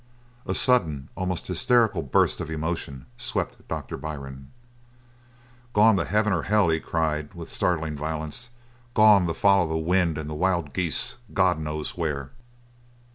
A sudden, almost hysterical burst of emotion swept Doctor Byrne. "Gone to heaven or hell!" he cried with startling violence. "Gone to follow the wind and the wild geese God knows where!"